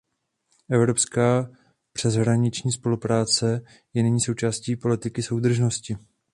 Evropská přeshraniční spolupráce je nyní součástí politiky soudržnosti.